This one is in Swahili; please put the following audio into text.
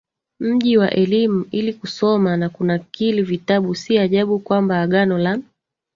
mji wa elimu ili kusoma na kunakili vitabu Si ajabu kwamba Agano la